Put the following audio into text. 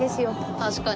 確かに。